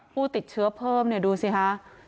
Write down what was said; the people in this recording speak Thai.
ผู้ติดเชื้อเพิ่มเนี่ยดูสิคะ